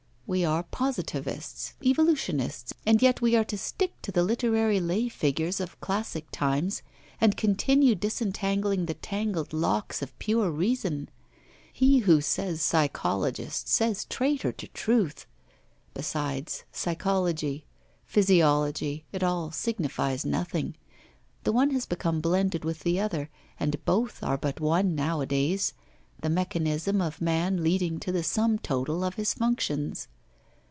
We are positivists, evolutionists, and yet we are to stick to the literary lay figures of classic times, and continue disentangling the tangled locks of pure reason! He who says psychologist says traitor to truth. Besides, psychology, physiology, it all signifies nothing. The one has become blended with the other, and both are but one nowadays, the mechanism of man leading to the sum total of his functions.